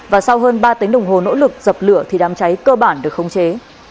và sau hơn ba tính đồng hồ nỗ lực dập lửa thì đám cháy cơ bản được không chế